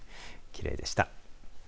きれいでした。